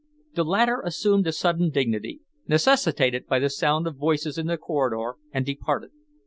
The latter assumed a sudden dignity, necessitated by the sound of voices in the corridor, and departed.